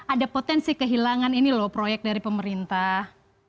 ada potensi kehilangan ini loh proyek dari pemerintah